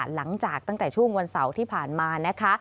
หลังจากตั้งแต่ช่วงวันเสาร์ที่ผ่านมานะคะ